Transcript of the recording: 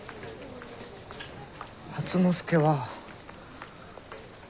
初之助は。